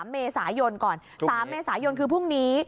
เมษายนก่อน๓เมษายนคือพรุ่งนี้